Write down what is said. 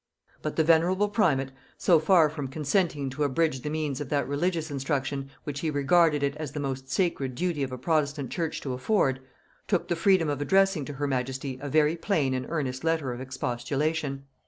But the venerable primate, so far from consenting to abridge the means of that religious instruction which he regarded it as the most sacred duty of a protestant church to afford, took the freedom of addressing to her majesty a very plain and earnest letter of expostulation.